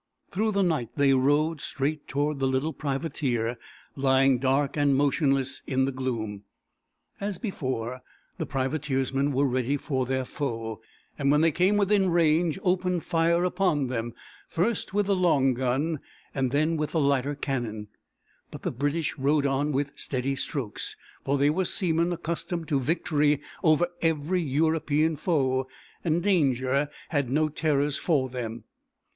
Through the night they rowed straight toward the little privateer lying dark and motionless in the gloom. As before, the privateersmen were ready for their foe, and when they came within range opened fire upon them, first with the long gun and then with the lighter cannon; but the British rowed on with steady strokes, for they were seamen accustomed to victory over every European foe, and danger had no terrors for them.